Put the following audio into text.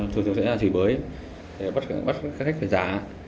tổ trưởng sẽ là chỉ bới bắt khách phải giả